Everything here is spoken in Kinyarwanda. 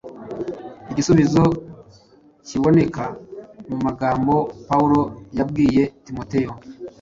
Igisubizo kiboneka mu magambo Pawulo yabwiye Timoteyo